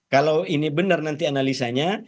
kalau ini benar nanti analisanya